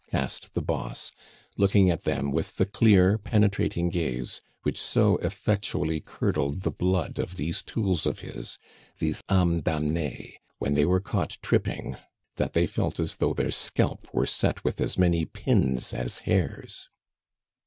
asked the boss, looking at them with the clear, penetrating gaze which so effectually curdled the blood of these tools of his, these ames damnees, when they were caught tripping, that they felt as though their scalp were set with as many pins as hairs.